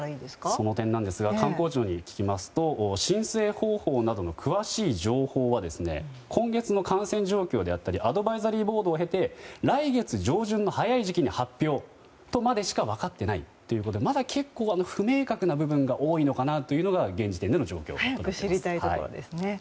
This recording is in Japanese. その点なんですが観光庁に聞きますと申請方法などの詳しい情報は今月の感染状況であったりアドバイザリーボードを経て来月上旬の早い時期に発表ということまでしか分かっていないということでまだ結構、不明確な部分が多いのかなというのが現時点での状況です。